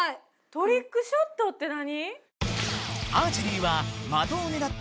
トリックショットって何？